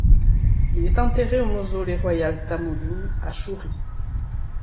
Il est enterré au mausolée royal Tamaudun à Shuri.